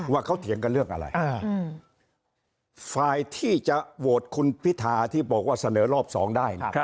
ว่าเขาเถียงกันเรื่องอะไรอ่าโอ้ฟ้ายที่จะโหวตคุณพิธาที่บอกว่า